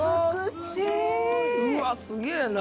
うわっすげえな！